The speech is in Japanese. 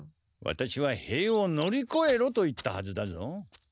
ワタシは塀を乗りこえろと言ったはずだぞ。